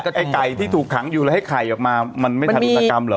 ไอ้ไก่ที่ถูกขังอยู่แล้วให้ไข่ออกมามันไม่ทันอุตกรรมเหรอ